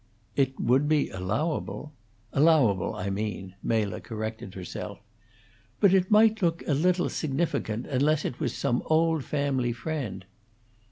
"It would be allowable " "Allowable, I mean," Mela corrected herself. "But it might look a little significant, unless it was some old family friend."